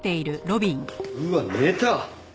うわっ寝た。